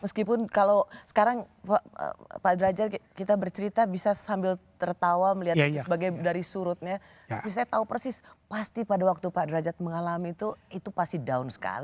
meskipun kalau sekarang pak derajat kita bercerita bisa sambil tertawa melihat dari surutnya tapi saya tahu persis pasti pada waktu pak derajat mengalami itu itu pasti down sekali